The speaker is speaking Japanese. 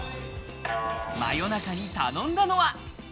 真夜中に頼んだのは。